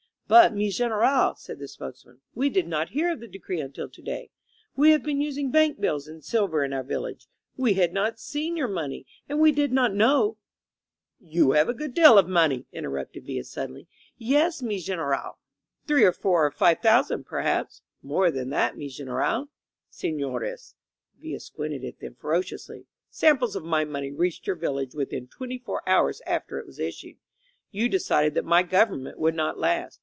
^^But, mi General,^^ said the spokesman, *Ve did not hear of the decree until to day. We have been using bank bills and silver in our village. We had not seen your money, and we did not know. ..." 185 INSURGENT MEXICO < ^rSTou have a good deal of money?" interrupted Villa suddenly. "Yes, mi General. Three or four or five thousand, perhaps?" *^More than that, mi General. Sefiores," Villa squinted at them ferociously, "sam ples of my money reached your village within twenty four hours after it was issued. You decided that my government would not last.